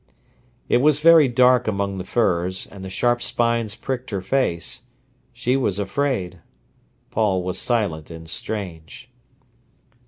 It was very dark among the firs, and the sharp spines pricked her face. She was afraid. Paul was silent and strange.